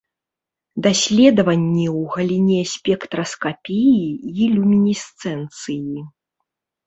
Даследаванні ў галіне спектраскапіі і люмінесцэнцыі.